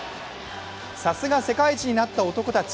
さすが世界一になった男たち。